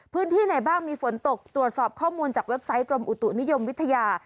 พื้นที่ไหนบ้างมีฝนตกตรวจสอบข้อมูลจากเว็บไซต์กรมอุตุนิยมวิทยา